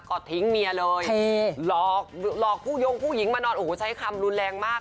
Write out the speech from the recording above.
ก็ทิ้งเมียเลยหลอกหลอกผู้ยงผู้หญิงมานอนโอ้โหใช้คำรุนแรงมาก